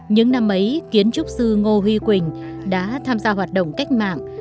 những năm ấy kiến trúc sư ngô huy quỳnh đã tham gia hoạt động cách mạng